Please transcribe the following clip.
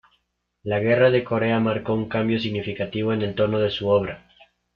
La Guerra de Corea marcó un cambio significativo en el tono de su obra.